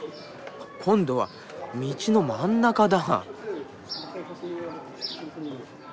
今度は道の真ん中だ。